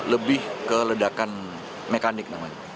lebih ke ledakan mekanik